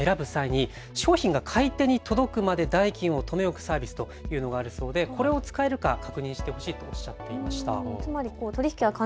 そしてどのフリマを使うか選ぶ際に商品が買い手に届くまで代金を留め置くサービスというのがあるそうでこれを使えるか確認してほしいとおっしゃっていました。